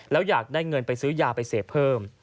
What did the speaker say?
แล้วอยากได้เงินไปซื้อยาไปเสพเพิ่ม